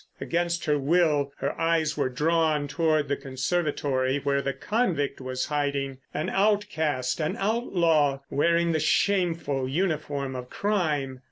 Against her will her eyes were drawn towards the conservatory where the convict was hiding. An outcast, an outlaw, wearing the shameful uniform of crime.